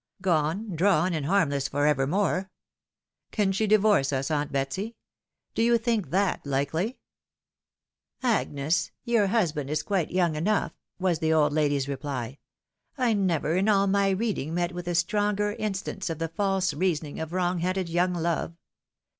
Gone, drawn, and harmless for evermore ! Can she divorce us, aunt Betsy ? Do you think that hkely ?"" Agnes, your husband is quite young enough," was the old lady's reply. " I never in all my reading met with a stronger instance of the false reasoning of wrong headed young love